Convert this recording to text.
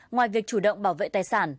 ngoài việc chủ động bảo vệ tài sản